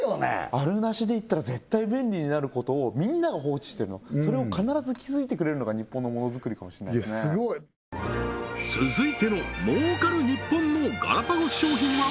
あるなしでいったら絶対便利になることをみんなが放置してるのそれを必ず気付いてくれるのが日本のモノづくりかもしれないですねいやスゴい続いてのパン！